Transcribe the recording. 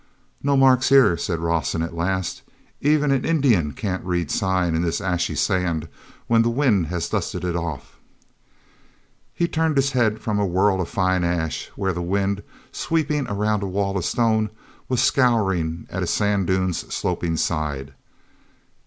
"No marks here," said Rawson at last. "Even an Indian can't read sign in this ashy sand when the wind has dusted it off." He turned his head from a whirl of fine ash where the wind, sweeping around a wall of stone, was scouring at a sand dune's sloping side.